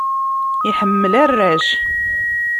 Iḥemmel arrac.